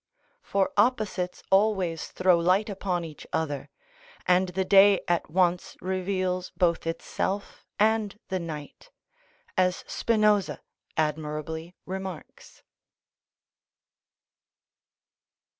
For opposites always throw light upon each other, and the day at once reveals both itself and the night, as Spinoza admirably remarks.